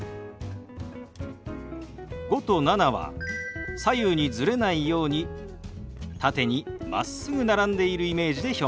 「５」と「７」は左右にズレないように縦にまっすぐ並んでいるイメージで表現します。